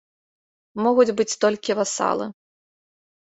Могуць быць толькі васалы.